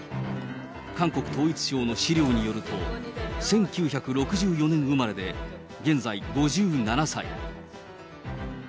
韓国統一省の資料によると、１９６４年生まれで、現在５７歳。